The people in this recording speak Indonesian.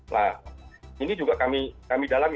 nah ini juga kami dalami